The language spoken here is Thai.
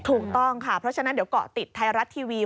ถูกต้องค่ะเพราะฉะนั้นเดี๋ยวเกาะติดไทยรัฐทีวี